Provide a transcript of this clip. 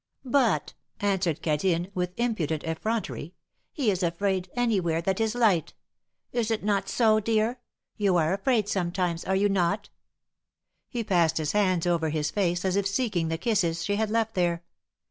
But," answered Cadine, with impudent effrontery, he is afraid anywhere that is light! Is it not so, dear? You are afraid sometimes, are you not?" He passed his hands over his face, as if seeking the kisses she had left there.